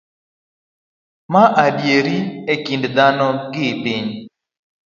ma ediere e kind dhano gi piny